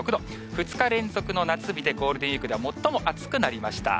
２日連続の夏日で、ゴールデンウィークでは最も暑くなりました。